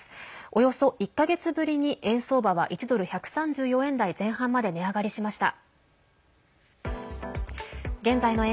およそ１か月ぶりに、円相場は１ドル１３４円台前半まで値上がりしました。